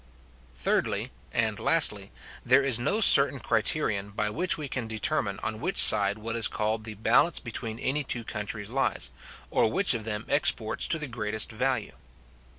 Thirdly, and lastly, There is no certain criterion by which we can determine on which side what is called the balance between any two countries lies, or which of them exports to the greatest value.